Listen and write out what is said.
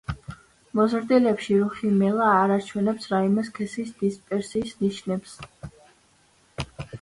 მოზრდილებში რუხი მელა არ აჩვენებს რაიმე სქესის დისპერსიის ნიშნებს.